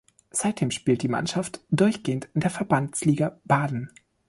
Seitdem spielt die Mannschaft durchgehend in der Verbandsliga Baden.